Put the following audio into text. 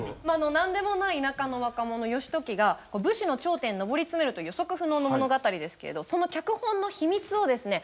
何でもない田舎の若者義時が武士の頂点に上り詰めるという予測不能の物語ですけれどその脚本の秘密をですね